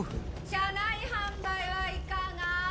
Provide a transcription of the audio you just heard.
・車内販売はいかが？